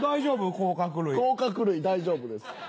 甲殻類大丈夫です。